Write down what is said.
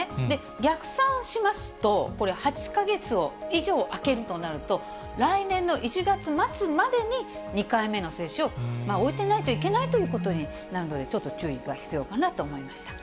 逆算をしますと、これ８か月以上空けるとなると、来年の１月末までに２回目の接種を終えてないといけないということになるのでちょっと注意が必要かなと思いました。